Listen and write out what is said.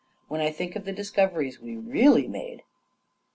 When I think of the discoveries we really made